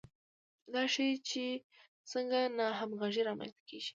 دا ښيي چې څنګه ناهمغږي رامنځته کیږي.